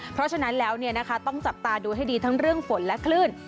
เพราะฉะนั้นแล้วต้องจับตาดูให้ดีทั้งเรื่องฝนและคลื่น